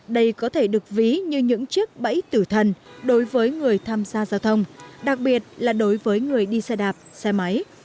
đây có thể được ví như những chiếc bẫy tử thần đối với người tham gia giao thông đặc biệt là đối với người đi xe đạp xe máy